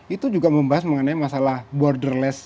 itu juga membahas mengenai masalah borderless